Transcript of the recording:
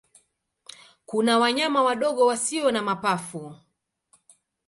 Kuna wanyama wadogo wasio na mapafu.